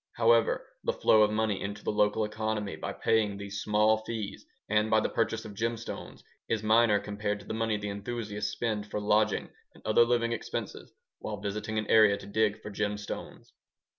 However, the flow of money into the local economy by paying these small fees and by the purchase of gemstones is minor compared to the money the enthusiasts spend for lodging and other living expenses while visiting an area to dig for gemstones.